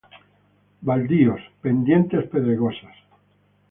Baldíos, pendientes pedregosas.